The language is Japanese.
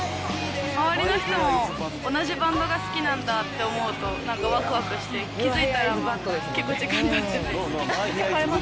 周りの人も同じバンドが好きなんだって思うと、なんかわくわくして、気付いたら、結構、時間たってて。